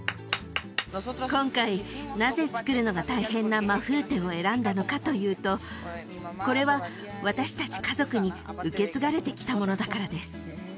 今回なぜ作るのが大変なマフーテを選んだのかというとこれは私達家族に受け継がれてきたものだからです